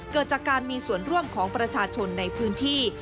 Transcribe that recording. เกิดจากการมีส่วนร่วมของประชาชนในพื้นที่